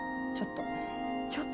ちょっと。